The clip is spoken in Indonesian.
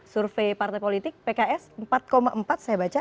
survei partai politik pks empat empat saya baca